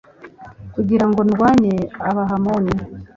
kugira ngo ndwanye abahamoni